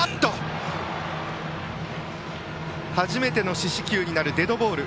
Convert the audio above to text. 初めての四死球になるデッドボール。